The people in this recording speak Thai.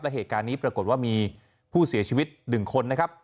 และเหตุการณ์นี้ปรากฏว่ามีผู้เสียชีวิต๑คนนะครับ